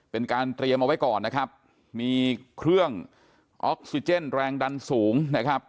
เป็นการเตรียมเอาไว้ก่อนนะครับมีเครื่องออกซิเจนแรงดันสูงนะครับ